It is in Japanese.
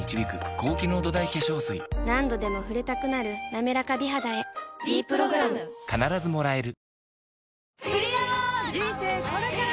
何度でも触れたくなる「なめらか美肌」へ「ｄプログラム」人生これから！